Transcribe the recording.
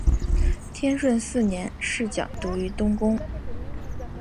天顺四年侍讲读于东宫。